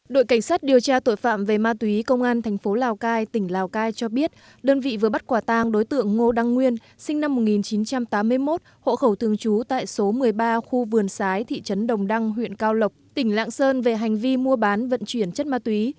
đội cảnh sát điều tra tội phạm về ma túy công an thành phố lào cai tỉnh lào cai cho biết đơn vị vừa bắt quả tang đối tượng ngô đăng nguyên sinh năm một nghìn chín trăm tám mươi một hộ khẩu thường trú tại số một mươi ba khu vườn sái thị trấn đồng đăng huyện cao lộc tỉnh lạng sơn về hành vi mua bán vận chuyển chất ma túy